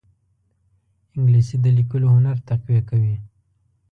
انګلیسي د لیکلو هنر تقویه کوي